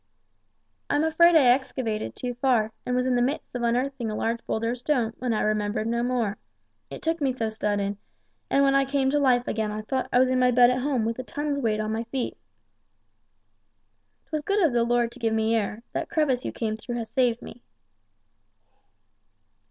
"I'm afraid I excavated too far and was in the midst of unearthing a large boulder of stone when I remembered no more it took me so sudden, and when I came to life again I thought I was in my bed at home with a ton's weight on my feet. 'Twas good of the Lord to give me air that crevice you came through has saved me."